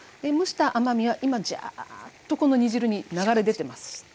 蒸した甘みは今じゃっとこの煮汁に流れ出てます。